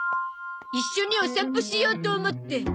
一緒にお散歩しようと思って。